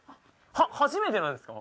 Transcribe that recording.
初めてなんですか？